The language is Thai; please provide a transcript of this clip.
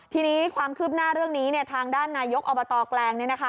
ทีนี้ความคืบหน้าเรื่องนี้ทางด้านนายกอบตแกลง